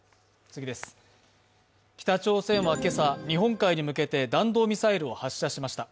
北朝鮮は今朝、日本海に向けて弾道ミサイルを発射しました。